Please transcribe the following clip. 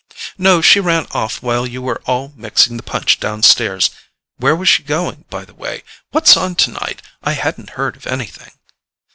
"No; she ran off while you were all mixing the punch down stairs. Where was she going, by the way? What's on tonight? I hadn't heard of anything."